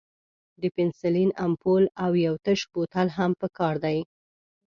د پنسلین امپول او یو تش بوتل هم پکار دی.